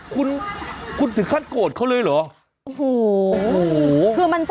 คุณคุณถึงคาดโกรธเขาเลยเหรอโอ้โฮโอ้โฮคือมัน